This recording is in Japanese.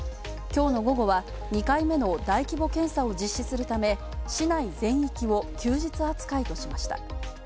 きょうの午後は２回目の大規模検査を実施するため市内全域を休日扱いとしました。